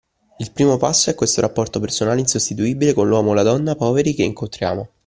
Il primo passo è questo rapporto personale insostituibile con l’uomo o la donna poveri che incontriamo.